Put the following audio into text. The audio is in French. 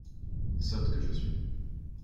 Sotte que je suis !